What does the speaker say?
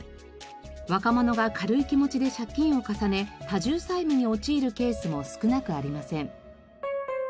若者が軽い気持ちで借金を重ね多重債務に陥るケースも少なくありません。